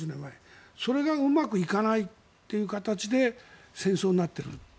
それがうまくいかないという形で戦争になっている。